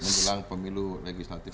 menjelang pemilu legislatif